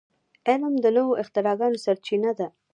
علم د نوو اختراعاتو سرچینه ده.